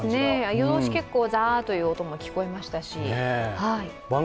夜通し、ザーッという音も聞こえましたし。